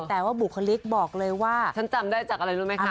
แต่ว่าบุคลิกบอกเลยว่าฉันจำได้จากอะไรรู้ไหมคะ